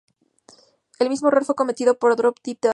El mismo error fue cometido en "Drop Dead Diva".